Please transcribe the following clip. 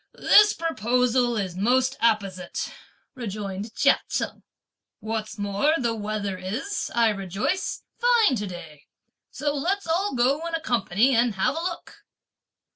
"This proposal is most apposite," rejoined Chia Cheng. "What's more, the weather is, I rejoice, fine to day; so let's all go in a company and have a look."